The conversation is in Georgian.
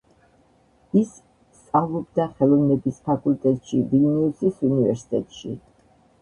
ის სწავლობდა ხელოვნების ფაკულტეტში ვილნიუსის უნივერსიტეტში.